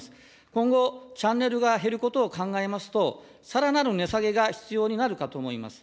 今後、チャンネルが減ることを考えますと、さらなる値下げが必要になるかと思います。